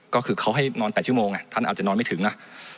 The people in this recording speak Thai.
ก็คือเขาให้นอน๘ชั่วโมงท่านอาจจะนอนไม่ถึงนะ